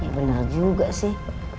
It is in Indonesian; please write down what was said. ya bener juga sih